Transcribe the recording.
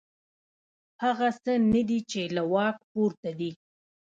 هغه څه نه دي چې له واک پورته دي.